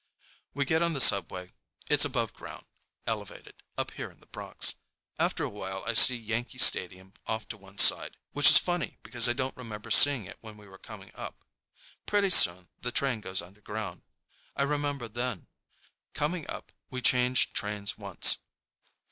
We get on the subway. It's aboveground—elevated—up here in the Bronx. After a while I see Yankee Stadium off to one side, which is funny because I don't remember seeing it when we were coming up. Pretty soon the train goes underground. I remember then. Coming up, we changed trains once.